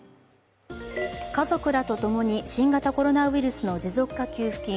家族らと共に新型コロナの持続化給付金